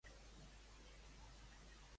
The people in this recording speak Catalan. On se situava precisament el seu lloc de culte?